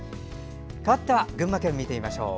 かわっては群馬県見てみましょう。